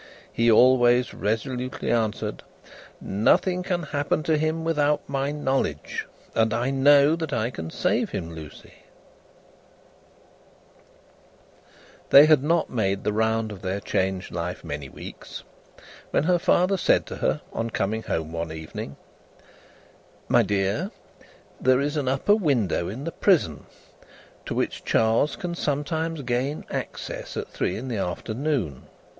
He always resolutely answered: "Nothing can happen to him without my knowledge, and I know that I can save him, Lucie." They had not made the round of their changed life many weeks, when her father said to her, on coming home one evening: "My dear, there is an upper window in the prison, to which Charles can sometimes gain access at three in the afternoon.